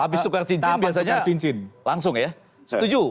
habis tukar cincin biasanya langsung ya setuju